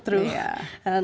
tentu saja kita menang